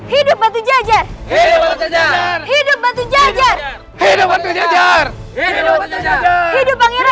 hidup batu jajar